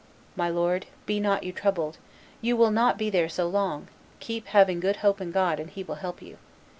"My lord, be not you troubled; you will not be there so long; keep having good hope in God and He will help you.